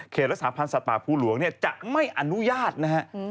รักษาพันธ์สัตว์ป่าภูหลวงเนี่ยจะไม่อนุญาตนะฮะ